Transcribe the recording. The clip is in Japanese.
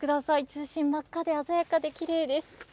中心真っ赤で鮮やかできれいです。